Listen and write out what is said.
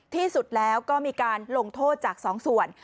ที่สุดแล้วก็มีการลงโทษจาก๒ส่วน